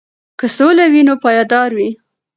که سوله وي نو پایدار وي.